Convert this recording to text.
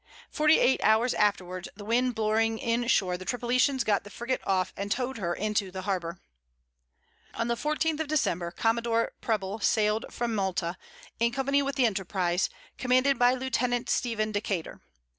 Forty eight hours afterwards, the wind blowing in shore, the Tripolitans got the frigate off, and towed her into the harbor. On the 14th of December, Commodore Preble sailed from Malta, in company with the Enterprize, commanded by Lieutenant Stephen Decater.